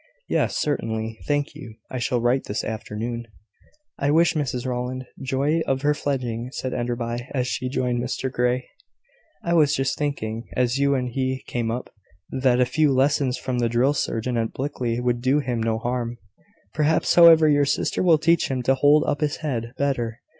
"Yes, certainly; thank you. I shall write this afternoon." "I wish Mrs Rowland joy of her fledgling," said Enderby, as he joined Mr Grey. "I was just thinking, as you and he came up, that a few lessons from the drill sergeant at Blickley would do him no harm. Perhaps, however, your sister will teach him to hold up his head better.